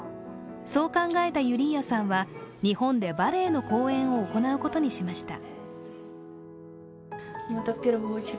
そう考えたユリーアさんは日本でバレエの公演を行うことにしました。